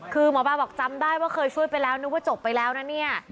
คือหมอปลาบอกจำได้ว่าเคยช่วยไปแล้วนึกว่าจบไปแล้วนะเนี่ย